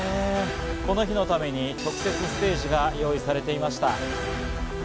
この日のために特設ステージが用意されていました。